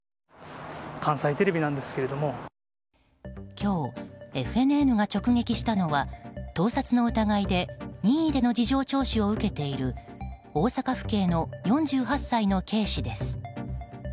今日、ＦＮＮが直撃したのは盗撮の疑いで任意での事情聴取を受けている大阪府警の４８歳の警視です。